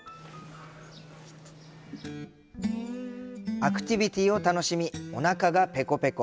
アクティビティを楽しみおなかがぺこぺこ。